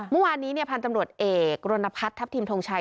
เมื่อวานนี้พันธุ์ตำรวจเอกรณพัฒน์ทัพทิมทงชัย